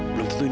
mam ya tuhan